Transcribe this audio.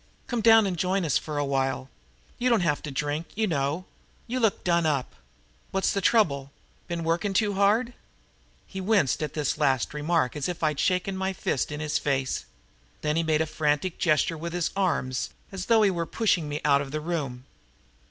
"Come down and join us for a while. You don't have to drink, you know. You look done up. What's the trouble been working too hard?" He winced at this last remark as if I'd shaken my fist in his face. Then he made a frantic gesture with his arms as though he were pushing me out of the room.